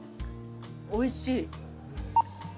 おいしい。